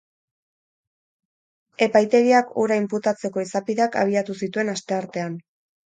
Epaitegiak hura inputatzeko izapideak abiatu zituen asteartean.